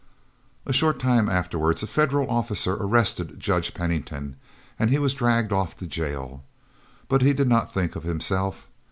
A short time afterwards a Federal officer arrested Judge Pennington, and he was dragged off to jail. But he did not think of himself.